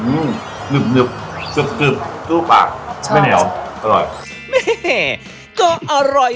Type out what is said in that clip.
อื้มหนึบจึบทั่วปากไม่เหนียวอร่อย